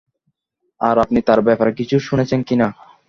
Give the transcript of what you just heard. আর আপনি তার ব্যাপারে কিছু শুনেছেন কিনা?